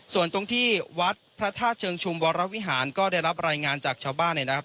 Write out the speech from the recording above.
ส่วนตรงที่วัดพระธาตุเชิงชุมวรวิหารก็ได้รับรายงานจากชาวบ้านนะครับ